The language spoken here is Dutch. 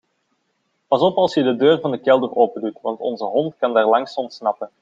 Pas op als je de deur van de kelder opendoen want onze hond kan daarlangs ontsnappen.